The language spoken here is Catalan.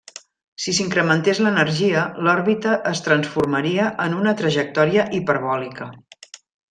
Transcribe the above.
Si s'incrementés l'energia, l'òrbita es transformaria en una trajectòria hiperbòlica.